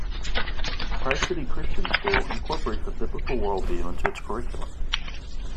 Tri-City Christian School incorporates a biblical worldview into its curriculum.